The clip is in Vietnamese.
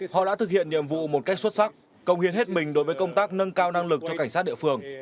họ đã thực hiện nhiệm vụ một cách xuất sắc công hiến hết mình đối với công tác nâng cao năng lực cho cảnh sát địa phương